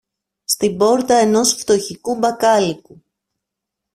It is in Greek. στην πόρτα ενός φτωχικού μπακάλικου